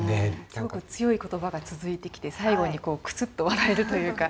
すごく強い言葉が続いてきて最後にクスッと笑えるというか。